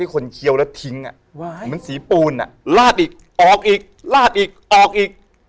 คนเคี้ยวแล้วทิ้งเหมือนสีปูนลาดอีกออกอีกลาดอีกออกอีก